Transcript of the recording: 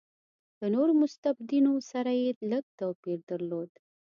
له نورو مستبدینو سره یې لږ توپیر درلود.